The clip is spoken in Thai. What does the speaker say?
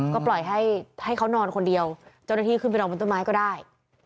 ก็ปล่อยให้เขานอนคนเดียวเจ้าหน้าที่ขึ้นไปนอนบนต้นไม้ก็ได้